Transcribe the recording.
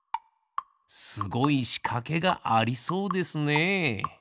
すごいしかけがありそうですね。